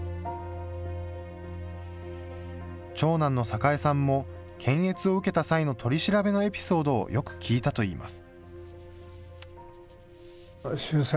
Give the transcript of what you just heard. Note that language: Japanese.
長男の旺さんも、検閲を受けた際の取り調べのエピソードをよく聞いたといいます。